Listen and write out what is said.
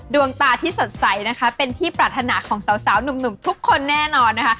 ดวงตาที่สดใสนะคะเป็นที่ปรารถนาของสาวหนุ่มทุกคนแน่นอนนะคะ